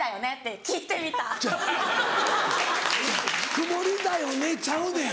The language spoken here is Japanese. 「曇りだよね？」ちゃうねん。